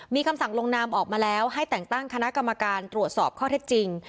มีคำสั่งลงนามออกมาแล้วให้แต่งตั้งคณะกรรมการตรวจสอบข้อเท็จจริง